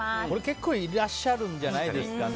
結構いらっしゃるんじゃないですかね。